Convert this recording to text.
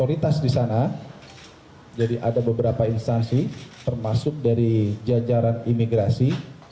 otoritas di sana jadi ada beberapa instansi termasuk dari jajaran imigrasi